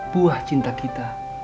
buah cinta kita